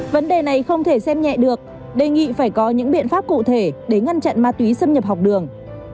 vấn đề này không thể xem nhẹ được đề nghị phải có những biện pháp cụ thể để ngăn chặn ma túy xâm nhập học đường